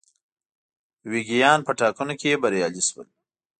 ویګیان په ټاکنو کې بریالي شول.